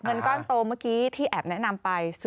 เงินก้อนโตเมื่อกี้ที่แอบแนะนำไป